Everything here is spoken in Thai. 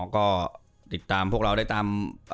ก็ติดตามพวกเราได้ตาม